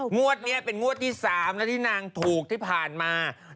งวดนี้เป็นงวดที่๓แล้วที่นางถูกที่ผ่านมา